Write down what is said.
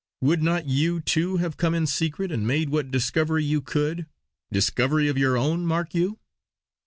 Would not you, too, have come in secret and made what discovery you could. Discovery of your own, mark you!